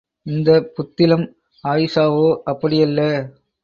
இந்த புத்திளம் அயிஷாவோ அப்படியல்ல.